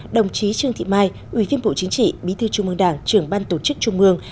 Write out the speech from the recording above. đồng chí trương thị mai ủy viên bộ chính trị bí thư trung mương đảng trưởng ban tổ chức trung mương